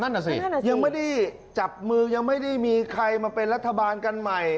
นั่นน่ะสิยังไม่ได้จับมือยังไม่ได้มีใครมาเป็นรัฐบาลกันใหม่